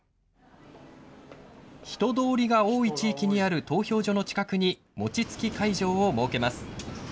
人通りが多い地域にある投票所の近くに餅つき会場を設けます。